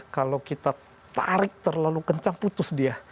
kalau kita tarik terlalu kencang putus dia